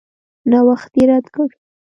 نوښت یې رد کړ.